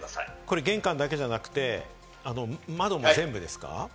これは玄関だけじゃなくて窓も全部ですか？